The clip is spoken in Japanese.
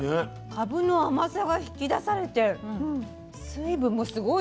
かぶの甘さが引き出されて水分もすごいですね。